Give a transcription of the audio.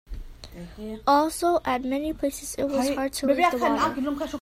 Also, at many places it was hard to leave the water.